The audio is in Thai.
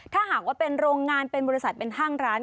ถ้าหากว่าเป็นโรงงานเป็นบริษัทเป็นห้างร้าน